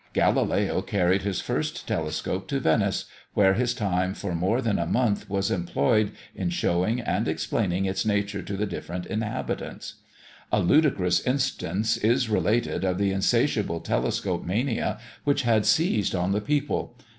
Galileo carried his first telescope to Venice, where his time for more than a month was employed in showing and explaining its nature to the different inhabitants. A ludicrous instance is related of the insatiable telescope mania which had seized on the people.